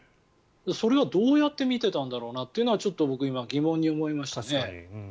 それをどうやって見ていたんだろうなってちょっと今疑問に思いましたね。